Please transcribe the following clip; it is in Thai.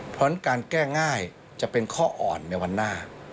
เพราะฉะนั้นการแก้ง่ายจะเป็นข้ออ่อนในวันหน้า